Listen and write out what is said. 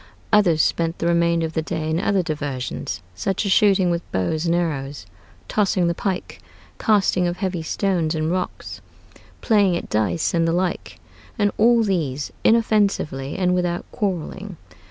Others spent the remainder of the day in other diversions, such as shooting with bows and arrows, tossing the pike, casting of heavy stones and rocks, playing at dice and the like, and all these inoffensively and without quarreling.